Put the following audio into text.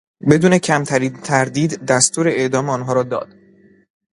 بدون کمترین تردید دستور اعدام آنها را داد.